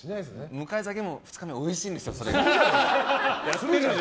迎え酒も２日目、おいしいんですよ。